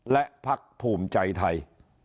และพักภูมิใจไทย